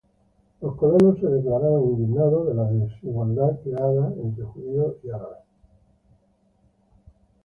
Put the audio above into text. Los colonos se declaraban "indignados" de la "desigualdad creada entre judíos y árabes".